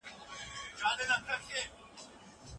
دوی تل د خپلو محصولاتو لپاره بازار لټوي.